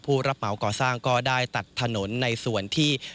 รับเหมาก่อสร้างก็ได้ตัดถนนในส่วนที่